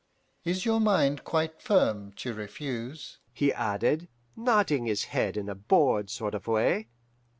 Is your mind quite firm to refuse?' he added, nodding his head in a bored sort of way.